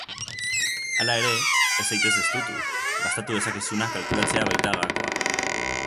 Hala ere, ez zaitez estutu, gastatu dezakezuna kalkulatzea baita gakoa.